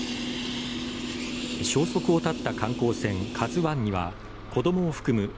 消息を絶った観光船、「ＫＡＺＵⅠ」には子供含む